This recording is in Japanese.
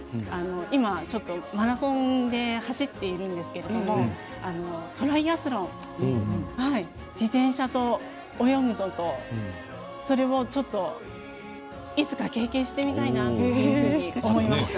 今、ちょっとマラソンで走っているんですけれどもトライアスロン自転車と泳ぐことそれを、ちょっといつか経験してみたいなと思いました。